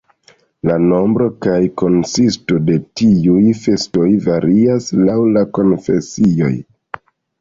La nombro kaj konsisto de tiuj festoj varias laŭ la konfesioj.